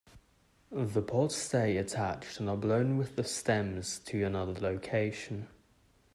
The pods stay attached and are blown with the stems to another location.